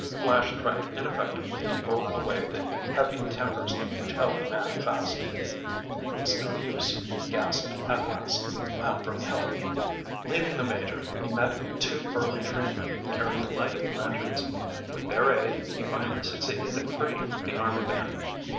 Flash tried ineffectively to pull away the heavy timbers which held the man fast. "It's no use," he gasped at last. "I'll bring help." Leaving the Major, he met two burly trainmen carrying lighted lanterns. With their aid he finally succeeded in freeing the army man.